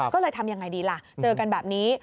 ก็เลยทำยังไงดีล่ะเจอกันแบบนี้